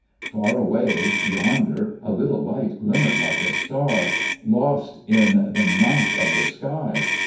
Far away, yonder, a little light glimmered like a star, lost in the night of the sky.